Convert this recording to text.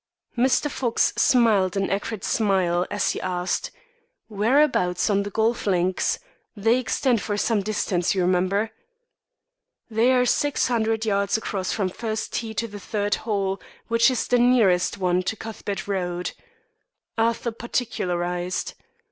Mr. Fox smiled an acrid smile, as he asked: "Whereabouts on the golf links? They extend for some distance, you remember." "They are six hundred yards across from first tee to the third hole, which is the nearest one to Cuthbert Road," Arthur particularised.